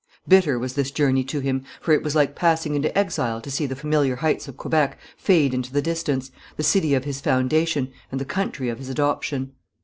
Bitter was this journey to him, for it was like passing into exile to see the familiar heights of Quebec fade into the distance, the city of his foundation and the country of his adoption.